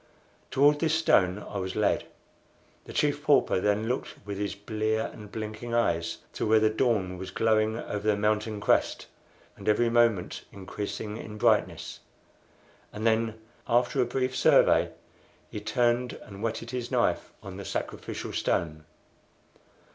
Toward this stone I was led. The Chief Pauper then looked with his blear and blinking eyes to where the dawn was glowing over the mountain crest, and every moment increasing in brightness; and then, after a brief survey, he turned and whetted his knife on the sacrificial stone.